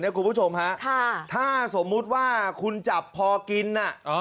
คุณผู้ชมฮะถ้าสมมุติว่าคุณจับพอกินน่ะ